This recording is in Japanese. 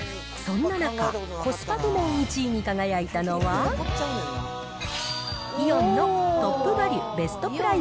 そんな中、コスパ部門１位に輝いたのは、イオンのトップバリュ